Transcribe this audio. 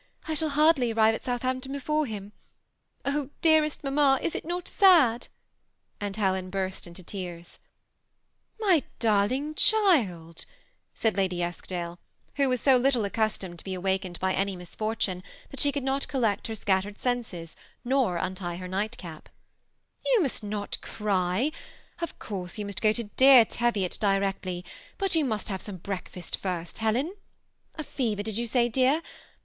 I shall hardly arrive at Southampton before him. Oh, dearest mamma, is it not sad ?" and Helen burst into tears. '^ My darling child,'' said Lady Eskdale, who was so little accustomed to be awakened by any misfortune, that she could not collect her scattered senses, nor untie her nightcap, " you must not cry ; of course you must go to dear Teviot directly, but you must have some breakfast first, Helen ; a fever did you say, dear?